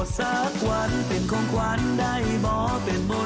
สวัสดีครับ